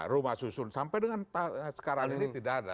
rumah susun sampai dengan sekarang ini tidak ada